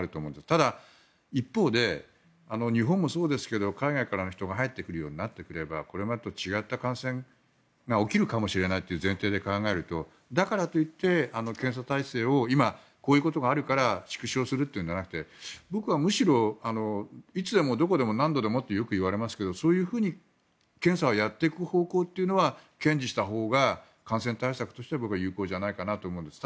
ただ、一方で日本もそうですが海外からの人が入ってくるようになったらこれまでと違った感染が起きるかもしれないという前提で考えるとだからといって検査体制を今、こういうことがあるから縮小するというのではなくて僕はむしろいつでもどこでも何度でもとよくいわれますがそういうふうに検査をやっていく方向は堅持したほうが感染対策としては有効じゃないかなと思うんです。